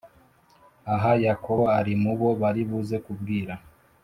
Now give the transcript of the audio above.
Aha Yakobo arimubo baribuze kubwira